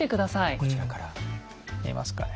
こちらから見えますかね。